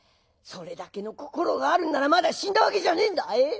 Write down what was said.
それだけの心があるんならまだ死んだわけじゃねえんだ。